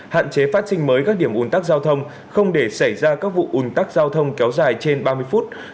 hạn chế phát sinh mới các điểm ủn tắc giao thông không để xảy ra các vụ ủn tắc giao thông kéo dài trên ba mươi phút